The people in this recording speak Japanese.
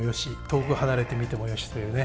遠く離れて見てもよしというね。